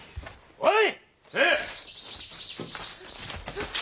おい！